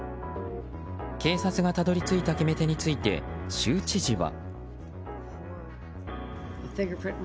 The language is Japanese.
警察がたどり着いた決め手について州知事は。